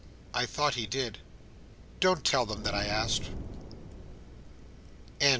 "I thought he did. Don't tell them that I asked."